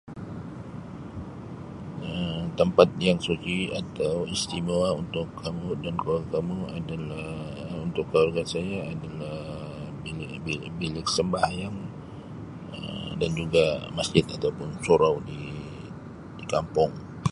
Um Tempat yang suci atau istimewa untuk kamu dan keluarga mu adalah untuk keluarga saya adalah bilik bilik bilik sembahyang Um dan juga masjid atau pun surau di-di kampung.